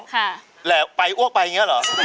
ครับและไปอวกไปอย่างนี้หรือ